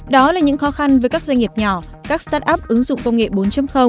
đó là những khó khăn với các doanh nghiệp nhỏ các start up ứng dụng công nghệ bốn